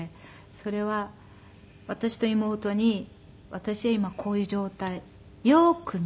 それは私と妹に「私は今こういう状態。よく見てください」。